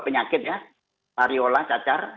penyakit ya variola cacar